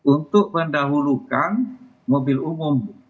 untuk mendahulukan mobil umum